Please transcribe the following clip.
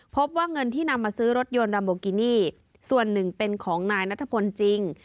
พบว่าเงินที่นำมาซื้อรถยนต์ลัมโบกินี่ส่วนหนึ่งเป็นของนายนัทพลจริง